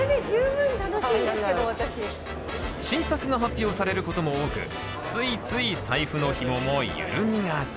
新作が発表されることも多くついつい財布のひもも緩みがち。